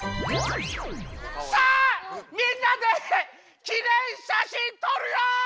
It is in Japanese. さあみんなで記念しゃしんとるよ！